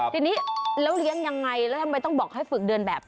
ทีนี้แล้วเลี้ยงยังไงแล้วทำไมต้องบอกให้ฝึกเดินแบบ